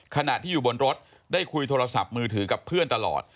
ขณะที่อยู่บนรถได้คุยโทรศัพท์มือถือกับเพื่อนตลอด